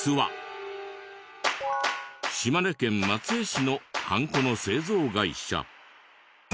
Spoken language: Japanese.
島根県松江市のハンコの製造会社。